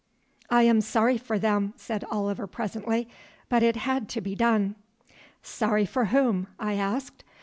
"I am sorry for them," said Oliver presently, "but it had to be done." "Sorry for whom?" I asked.